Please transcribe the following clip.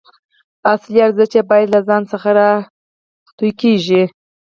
اصلي ارزښت باید له ځان څخه راټوکېږي.